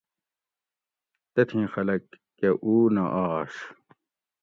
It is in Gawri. تتھیں خلک کہۤ اُو نہ آش